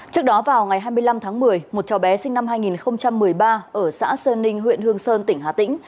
trước đó vào ngày hai mươi năm tháng một mươi một cháu bé sinh năm hai nghìn một mươi ba ở xã sơn ninh huyện hương sơn tỉnh hà tĩnh